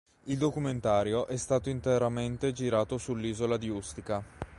Il documentario è stato interamente girato sull'isola di Ustica.